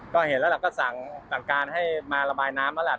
ก็เห็นแล้วล่ะก็สั่งการให้มาระบายน้ำแล้วล่ะ